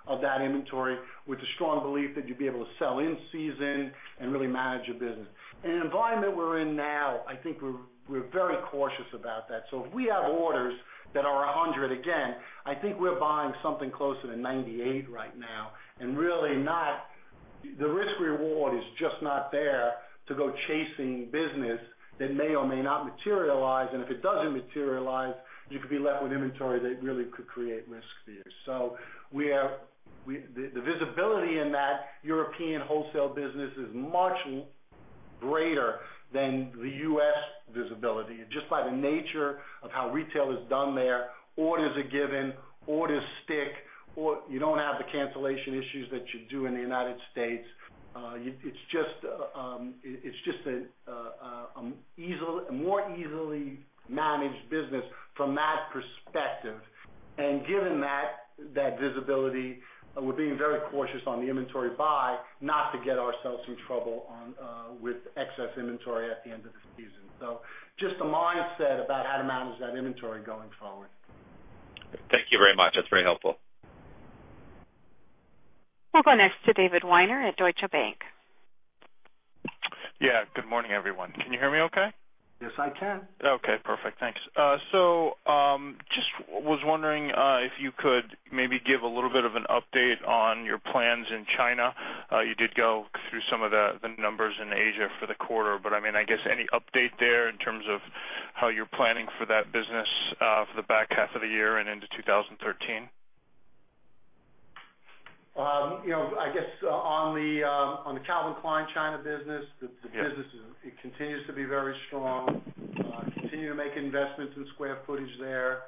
Speaker 2: of that inventory with the strong belief that you'd be able to sell in season and really manage your business. In an environment we're in now, I think we're very cautious about that. If we have orders that are 100 again, I think we're buying something closer to 98 right now, and really, the risk reward is just not there to go chasing business that may or may not materialize, and if it doesn't materialize, you could be left with inventory that really could create risk for you. The visibility in that European wholesale business is much greater than the U.S. visibility. Just by the nature of how retail is done there, orders are given, orders stick. You don't have the cancellation issues that you do in the United States. It's just a more easily managed business from that perspective. Given that visibility, we're being very cautious on the inventory buy, not to get ourselves in trouble with excess inventory at the end of the season. Just a mindset about how to manage that inventory going forward.
Speaker 10: Thank you very much. That's very helpful.
Speaker 1: We'll go next to David Weiner at Deutsche Bank.
Speaker 11: Yeah. Good morning, everyone. Can you hear me okay?
Speaker 2: Yes, I can.
Speaker 11: Okay, perfect. Thanks. Just was wondering if you could maybe give a little bit of an update on your plans in China. You did go through some of the numbers in Asia for the quarter, but I guess any update there in terms of how you're planning for that business for the back half of the year and into 2013?
Speaker 2: I guess on the Calvin Klein China business, the business continues to be very strong. We continue to make investments in square footage there.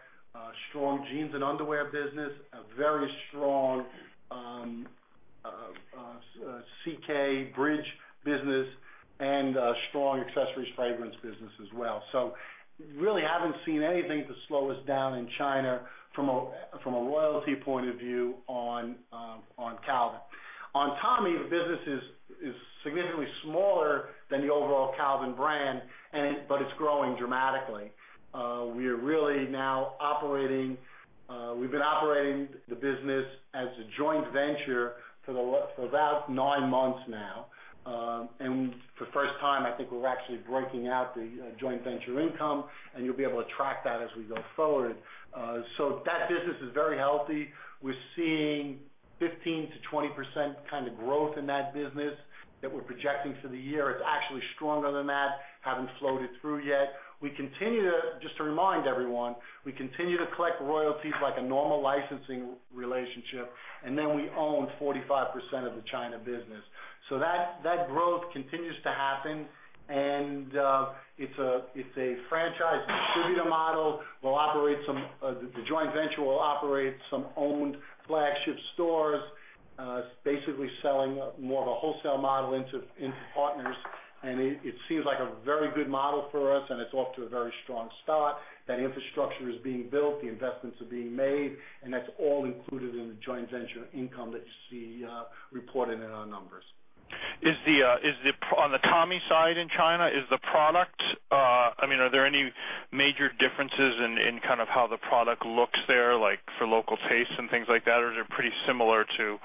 Speaker 2: Strong jeans and underwear business, a very strong CK Bridge business, and a strong accessories fragrance business as well. Really haven't seen anything to slow us down in China from a loyalty point of view on Calvin. On Tommy, the business is significantly smaller than the overall Calvin brand, but it's growing dramatically. We've been operating the business as a joint venture for about nine months now. For the first time, I think we're actually breaking out the joint venture income, and you'll be able to track that as we go forward. That business is very healthy. We're seeing 15%-20% kind of growth in that business that we're projecting for the year. It's actually stronger than that. Haven't floated through yet. Just to remind everyone, we continue to collect royalties like a normal licensing relationship, then we own 45% of the China business. That growth continues to happen, and it's a franchise distributor model. The joint venture will operate some owned flagship stores, basically selling more of a wholesale model into partners. It seems like a very good model for us, and it's off to a very strong start. That infrastructure is being built, the investments are being made, and that's all included in the joint venture income that you see reported in our numbers.
Speaker 11: On the Tommy side in China, are there any major differences in how the product looks there, like for local tastes and things like that? Or is it pretty similar to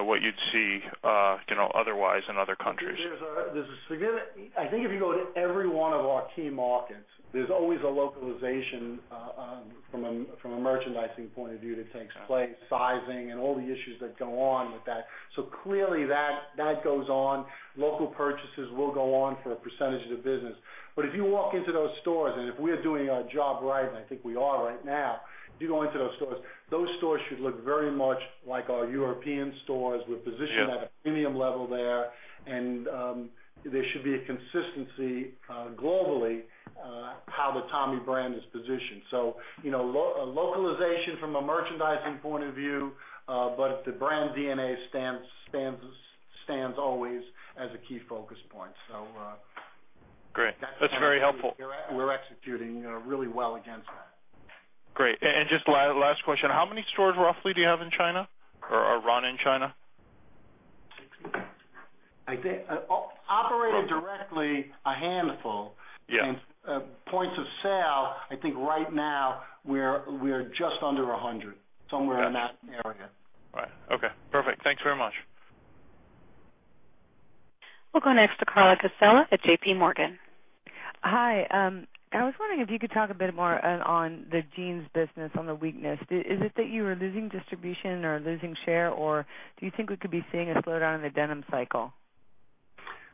Speaker 11: what you'd see otherwise in other countries?
Speaker 2: I think if you go to every one of our key markets, there's always a localization from a merchandising point of view that takes place, sizing and all the issues that go on with that. Clearly that goes on. Local purchases will go on for a percentage of the business. If you walk into those stores, and if we're doing our job right, and I think we are right now, if you go into those stores, those stores should look very much like our European stores. We're positioned at a premium level there, and there should be a consistency globally how the Tommy brand is positioned. Localization from a merchandising point of view, but the brand DNA stands always as a key focus point.
Speaker 11: Great. That's very helpful
Speaker 2: we're executing really well against that.
Speaker 11: Great. Just last question, how many stores roughly do you have in China or run in China?
Speaker 2: Operated directly, a handful.
Speaker 11: Yeah.
Speaker 2: Points of sale, I think right now, we're just under 100. Somewhere in that area.
Speaker 11: Right. Okay, perfect. Thanks very much.
Speaker 1: We'll go next to Carla Casella at JPMorgan.
Speaker 12: Hi. I was wondering if you could talk a bit more on the jeans business on the weakness. Is it that you are losing distribution or losing share, or do you think we could be seeing a slowdown in the denim cycle?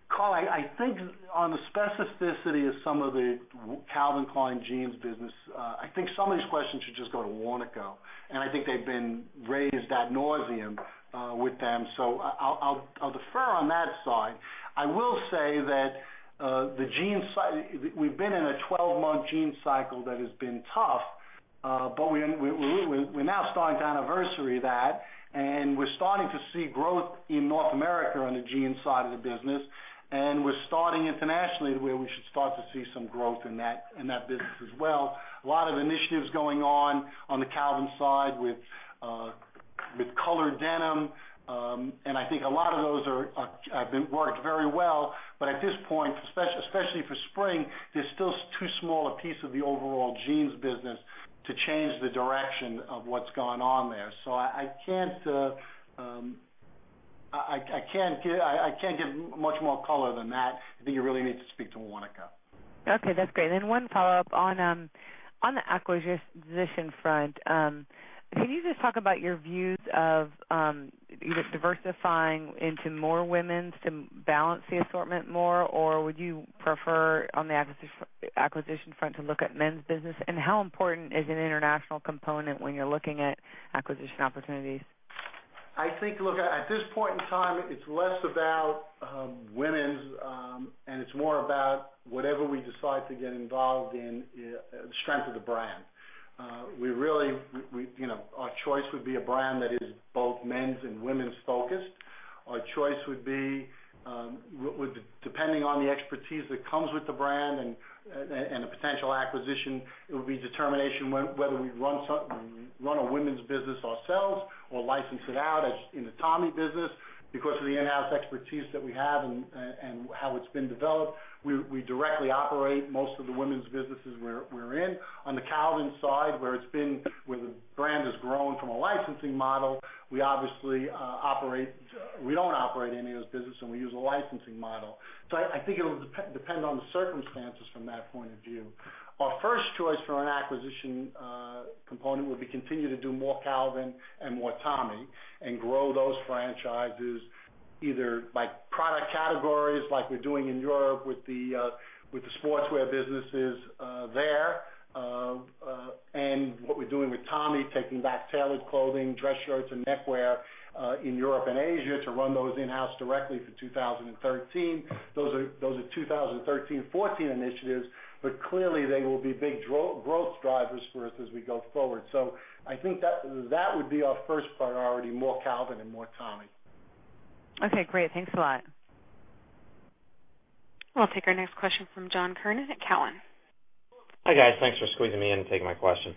Speaker 2: Carla, I think on the specificity of some of the Calvin Klein jeans business, I think some of these questions should just go to Warnaco, and I think they've been raised ad nauseam with them. I'll defer on that side. I will say that we've been in a 12-month jean cycle that has been tough. We're now starting to anniversary that, and we're starting to see growth in North America on the jeans side of the business, and we're starting internationally where we should start to see some growth in that business as well. A lot of initiatives going on the Calvin side with colored denim. I think a lot of those have been worked very well. At this point, especially for spring, they're still too small a piece of the overall jeans business to change the direction of what's gone on there. I can't give much more color than that. I think you really need to speak to Warnaco.
Speaker 12: Okay, that's great. One follow-up on the acquisition front. Can you just talk about your views of either diversifying into more women's to balance the assortment more, or would you prefer on the acquisition front to look at men's business? How important is an international component when you're looking at acquisition opportunities?
Speaker 2: I think, look, at this point in time, it's less about women's, and it's more about whatever we decide to get involved in, the strength of the brand. Our choice would be a brand that is both men's and women's focused. Our choice would be, depending on the expertise that comes with the brand and the potential acquisition, it would be determination whether we run a women's business ourselves or license it out as in the Tommy business. Because of the in-house expertise that we have and how it's been developed, we directly operate most of the women's businesses we're in. On the Calvin side, where the brand has grown from a licensing model, we don't operate any of those business, we use a licensing model. I think it'll depend on the circumstances from that point of view. Our first choice for an acquisition component would be continue to do more Calvin and more Tommy and grow those franchises. By product categories, like we're doing in Europe with the sportswear businesses there, and what we're doing with Tommy, taking back tailored clothing, dress shirts, and neckwear in Europe and Asia to run those in-house directly for 2013. Those are 2013 and 2014 initiatives, but clearly, they will be big growth drivers for us as we go forward. I think that would be our first priority, more Calvin and more Tommy.
Speaker 12: Okay, great. Thanks a lot.
Speaker 1: We'll take our next question from John Kernan at Cowen.
Speaker 13: Hi, guys. Thanks for squeezing me in to take my question.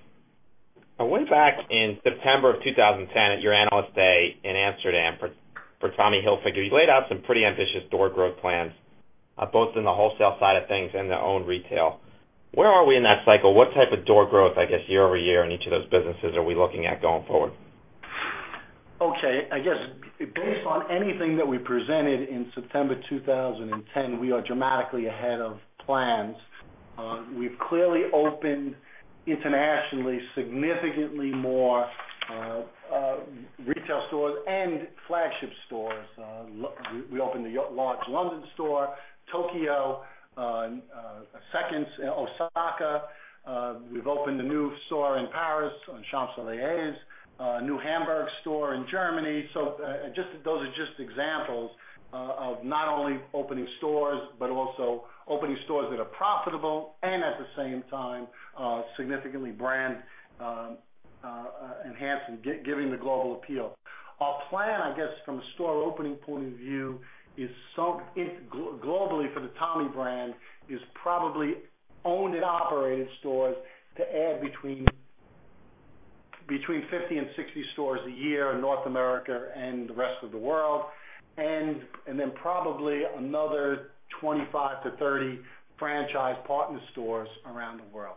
Speaker 13: Way back in September of 2010 at your Analyst Day in Amsterdam for Tommy Hilfiger, you laid out some pretty ambitious door growth plans, both in the wholesale side of things and their own retail. Where are we in that cycle? What type of door growth, I guess, year-over-year in each of those businesses are we looking at going forward?
Speaker 2: Okay. I guess based on anything that we presented in September 2010, we are dramatically ahead of plans. We've clearly opened internationally, significantly more retail stores and flagship stores. We opened the large London store, Tokyo, a second in Osaka. We've opened a new store in Paris on Champs-Élysées, a new Hamburg store in Germany. Those are just examples of not only opening stores, but also opening stores that are profitable and at the same time, significantly brand-enhancing, giving the global appeal. Our plan, I guess, from a store opening point of view, globally for the Tommy brand, is probably owned and operated stores to add between 50 and 60 stores a year in North America and the rest of the world. Probably another 25 to 30 franchise partner stores around the world.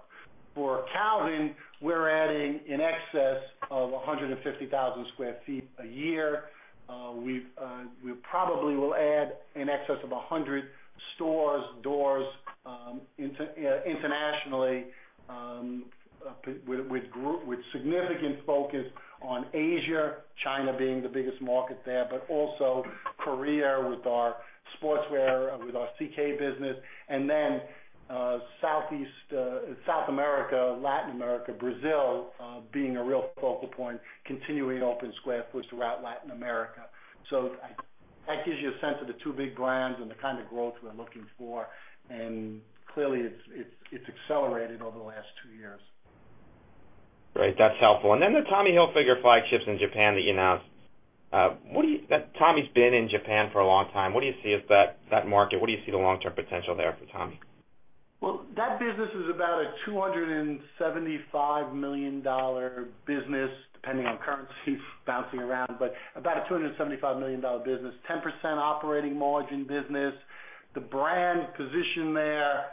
Speaker 2: For Calvin, we're adding in excess of 150,000 sq ft a year. We probably will add in excess of 100 stores, doors internationally with significant focus on Asia, China being the biggest market there, but also Korea with our sportswear, with our CK business. South America, Latin America, Brazil being a real focal point, continuing to open square footage throughout Latin America. That gives you a sense of the two big brands and the kind of growth we're looking for. Clearly, it's accelerated over the last two years.
Speaker 13: Great. That's helpful. The Tommy Hilfiger flagships in Japan that you announced. Tommy's been in Japan for a long time. What do you see as that market? What do you see the long-term potential there for Tommy?
Speaker 2: Well, that business is about a $275 million business, depending on currency bouncing around. About a $275 million business, 10% operating margin business. The brand position there,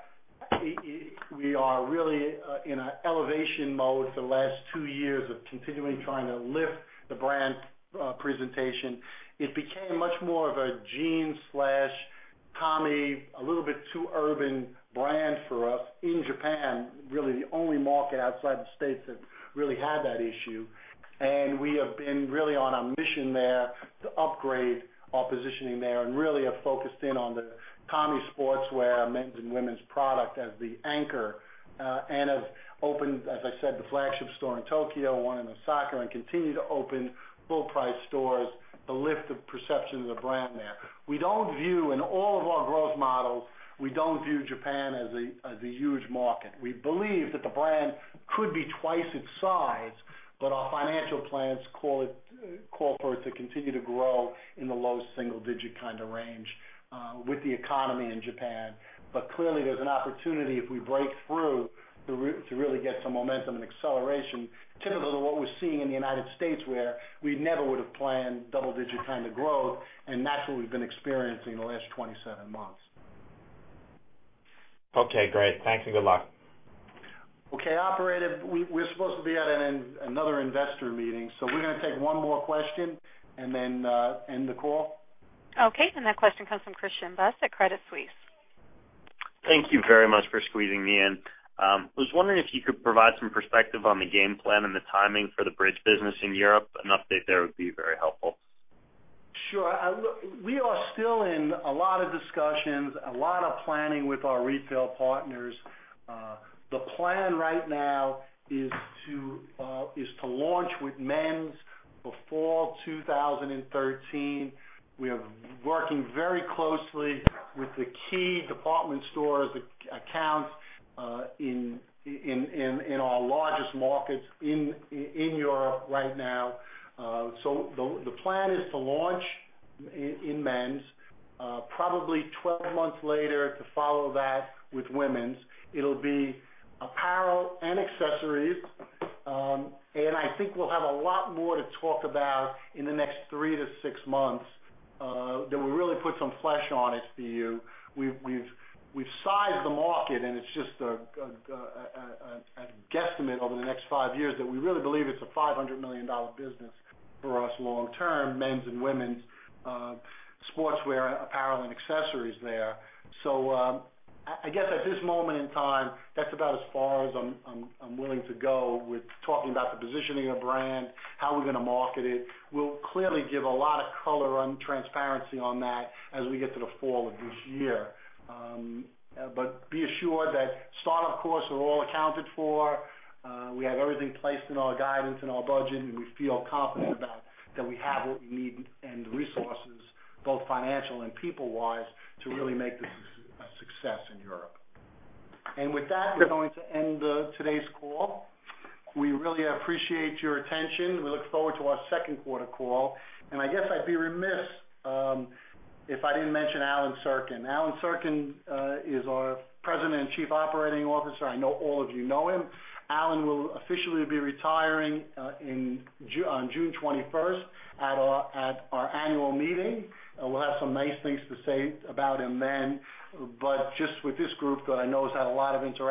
Speaker 2: we are really in an elevation mode the last two years of continually trying to lift the brand presentation. It became much more of a jeans/Tommy, a little bit too urban brand for us in Japan, really the only market outside the U.S. that really had that issue. We have been really on a mission there to upgrade our positioning there and really have focused in on the Tommy sportswear men's and women's product as the anchor. Have opened, as I said, the flagship store in Tokyo, one in Osaka, and continue to open full-price stores to lift the perception of the brand there. In all of our growth models, we don't view Japan as a huge market. Our financial plans call for it to continue to grow in the low single-digit kind of range with the economy in Japan. Clearly, there's an opportunity if we break through to really get some momentum and acceleration, similar to what we're seeing in the United States, where we never would've planned double-digit kind of growth, and that's what we've been experiencing in the last 27 months.
Speaker 13: Okay, great. Thanks and good luck.
Speaker 2: Okay. Operator, we're supposed to be at another investor meeting, we're going to take one more question and then end the call.
Speaker 1: Okay. That question comes from Christian Buss at Credit Suisse.
Speaker 14: Thank you very much for squeezing me in. I was wondering if you could provide some perspective on the game plan and the timing for the bridge business in Europe. An update there would be very helpful.
Speaker 2: Sure. We are still in a lot of discussions, a lot of planning with our retail partners. The plan right now is to launch with men's before 2013. We are working very closely with the key department store accounts in our largest markets in Europe right now. The plan is to launch in men's, probably 12 months later to follow that with women's. It'll be apparel and accessories. I think we'll have a lot more to talk about in the next three to six months, that we'll really put some flesh on it for you. We've sized the market, and it's just a guesstimate over the next five years that we really believe it's a $500 million business for us long term, men's and women's sportswear, apparel, and accessories there. I guess at this moment in time, that's about as far as I'm willing to go with talking about the positioning of brand, how we're going to market it. We'll clearly give a lot of color and transparency on that as we get to the fall of this year. Be assured that startup costs are all accounted for. We have everything placed in our guidance, in our budget, and we feel confident about that we have what we need and the resources, both financial and people-wise, to really make this a success in Europe. With that, we're going to end today's call. We really appreciate your attention. We look forward to our second quarter call. I guess I'd be remiss if I didn't mention Allen Sirkin. Allen Sirkin is our President and Chief Operating Officer. I know all of you know him. Allen will officially be retiring on June 21st at our annual meeting. We'll have some nice things to say about him then. Just with this group, because I know he's had a lot of interaction